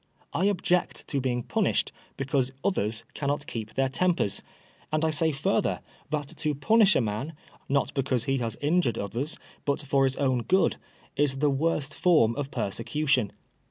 I object to being punished because others cannot keep their tempers ; and I say further, that to punish a man, not because he has injured others, but for his own good, is the worst form of persecution.